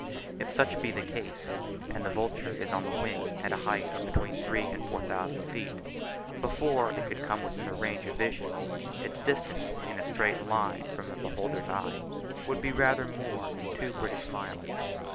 If such be the case, and the vulture is on the wing at a height of between three and four thousand feet, before it could come within the range of vision, its distance in a straight line from the beholder's eye, would be rather more than two British miles.